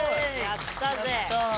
やったぜ。